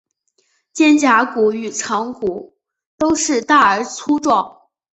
肩胛骨与肠骨都是大而粗壮。